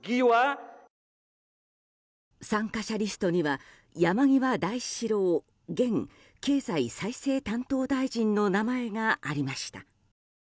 参加者リストには山際大志郎現経済再生担当大臣の名前がありました。